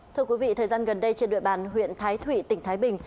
thưa quý vị thời gian gần đây trên địa bàn huyện thái thụy tỉnh thái bình